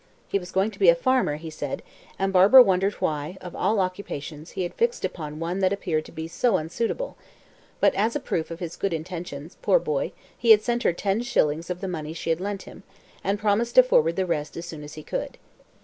He was going to be a farmer, he said, and Barbara wondered why, of all occupations, he had fixed upon one that appeared to be so unsuitable; but, as a proof of his good intentions, poor boy, he had sent her ten shillings of the money she had lent him, and promised to forward the rest as soon as he could.